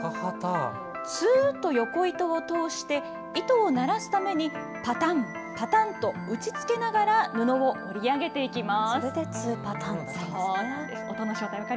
ツーっと緯糸を通して糸をならすためにパタンパタンと打ちつけながら布を織り上げていきます。